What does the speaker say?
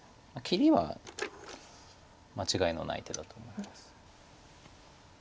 切りは間違いのない手だと思います。